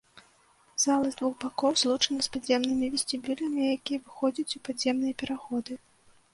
Зала з двух бакоў злучана з падземнымі вестыбюлямі, якія выходзяць ў падземныя пераходы.